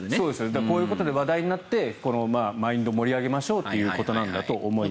こういうことで話題になってマインドを盛り上げましょうということだと思います。